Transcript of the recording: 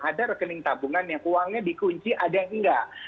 ada rekening tabungan yang uangnya dikunci ada yang enggak